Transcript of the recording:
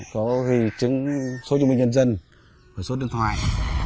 có ghi chứng số chung minh nhân dân và số điện thoại